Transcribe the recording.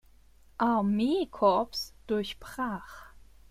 Armeekorps durchbrach.